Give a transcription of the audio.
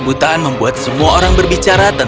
selamatkan diri kalian